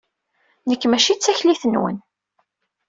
Nekk mačči d taklit-nwen.